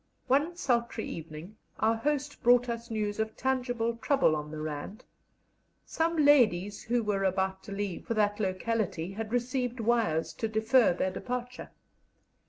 One sultry evening our host brought us news of tangible trouble on the Rand: some ladies who were about to leave for that locality had received wires to defer their departure.